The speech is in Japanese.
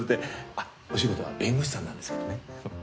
あっお仕事は弁護士さんなんですけどね。